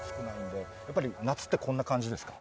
やっぱり夏ってこんな感じですか？